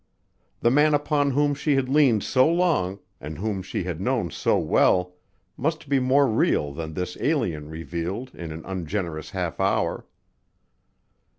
The man upon whom she had leaned so long and whom she had known so well must be more real than this alien revealed in an ungenerous half hour.